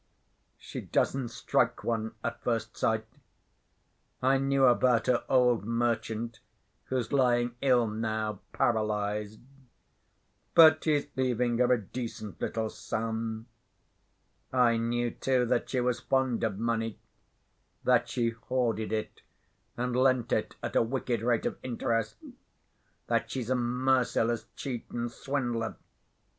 She doesn't strike one at first sight. I knew about her old merchant, who's lying ill now, paralyzed; but he's leaving her a decent little sum. I knew, too, that she was fond of money, that she hoarded it, and lent it at a wicked rate of interest, that she's a merciless cheat and swindler.